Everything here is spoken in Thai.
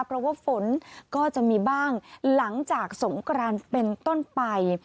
เพราะว่าฝนก็จะมีบ้างหลังจากสงกรานเป็นต้นไป